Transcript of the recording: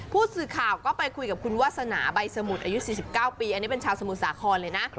ผู้สื่อข่าวก็ไปคุยกับคุณวาสนาใบสมุทรอายุ๔๙ปีอันนี้เป็นชาวสมุทรสาครเลยนะ